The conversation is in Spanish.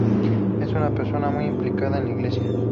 Es una persona muy implicada en la iglesia.